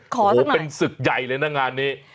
โอ้โหเป็นศึกใหญ่เลยนะงานนี้